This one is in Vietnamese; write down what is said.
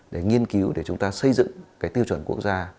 để nghiên cứu để chúng ta xây dựng cái tiêu chuẩn quốc gia